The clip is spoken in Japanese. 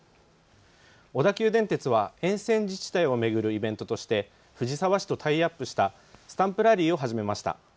小田急電鉄は沿線自治体を巡るイベントとして藤沢市とタイアップしたスタンプラリーを始めました。